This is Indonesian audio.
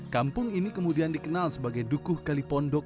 kampung ini kemudian dikenal sebagai dukuh kalipondok